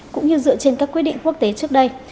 cũng như dựa trên các quyết định quốc tế trước đây